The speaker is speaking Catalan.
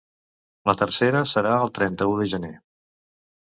La tercera serà el trenta-u de gener.